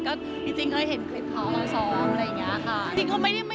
ก็จริงเลยเห็นคลิปของเราสองอะไรอย่างนี้ค่ะ